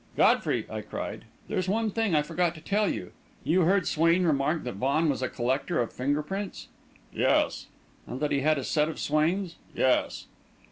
"Godfrey," I cried, "there's one thing I forgot to tell you. You heard Swain remark that Vaughan was a collector of finger prints?" "Yes." "And that he had a set of Swain's?" "Yes."